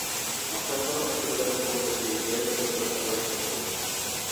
ئاخشامقىنىڭ كۈچى بىلەن ئۇنىڭ بېشى يەنە چىڭقىلىپ ئاغرىشقا باشلىدى.